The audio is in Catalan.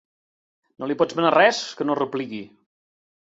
No li pots manar res que no repliqui.